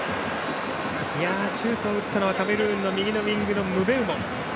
シュートを打ったのはカメルーンの右のウイングのムベウモ。